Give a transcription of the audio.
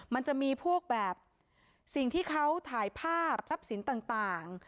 มันจะมีพวกแบบสิ่งที่เขาถ่ายภาพทรัพย์สินต่าง